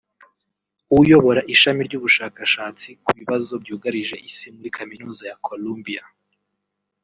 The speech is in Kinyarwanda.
uyobora ishami ry’ubushakashatsi ku bibazo byugarije Isi muri Kaminuza ya Columbia